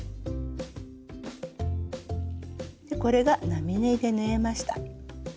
これが並縫いで縫えました。